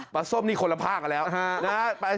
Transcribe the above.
ส้มนี่คนละภาคกันแล้วนะฮะ